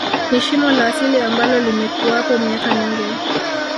Ni shimo la asili ambalo limekuwapo miaka mingi